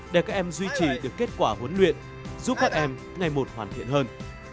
để các em duy trì được kết quả huấn luyện giúp các em ngày một hoàn thiện hơn